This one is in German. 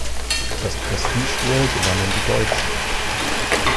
Das Prestige-Duell gewannen die Deutschen.